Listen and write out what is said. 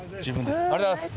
ありがとうございます。